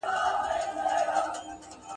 د یوې شېبې وصال دی بس له نار سره مي ژوند دی ,